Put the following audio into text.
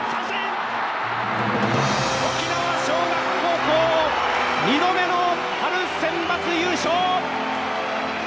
沖縄尚学高校２度目の春センバツ優勝！